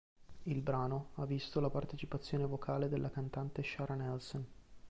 Il brano ha visto la partecipazione vocale della cantante Shara Nelson.